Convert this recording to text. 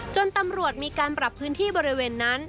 ตำรวจมีการปรับพื้นที่บริเวณนั้น